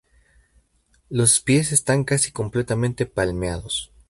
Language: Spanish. Los pies están casi completamente palmeados.